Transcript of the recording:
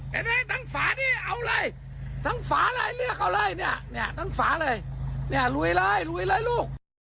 เนี่ยทั้งฝำตังฝาทั้งฝาเลยล้วยเลยล้วยเลยหลุก